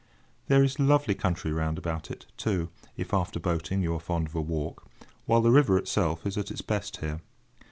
There is lovely country round about it, too, if, after boating, you are fond of a walk, while the river itself is at its best here.